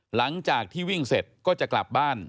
หลังจากที่วิ่งเสร็จก็จะกลับบ้าน